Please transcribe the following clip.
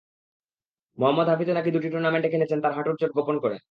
মোহাম্মদ হাফিজও নাকি দুটি টুর্নামেন্ট খেলেছেন তাঁর হাঁটুর চোট গোপন করে।